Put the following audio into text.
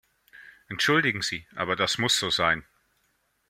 Entschuldigen Sie, aber das muss so sein!